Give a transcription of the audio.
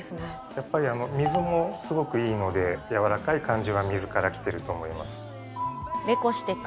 やっぱり水もすごくいいので、やわらかい感じは水から来てると思います。